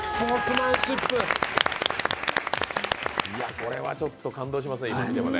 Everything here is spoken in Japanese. これはちょっと感動しますね、今見てもね。